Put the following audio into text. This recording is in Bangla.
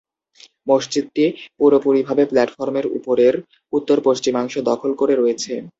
মসজিদটি পুরোপুরিভাবে প্লাটফর্মের উপরের উত্তর-পশ্চিমাংশ দখল করে রয়েছে।